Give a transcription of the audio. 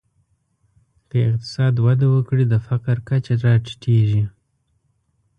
که اقتصاد وده وکړي، د فقر کچه راټیټېږي.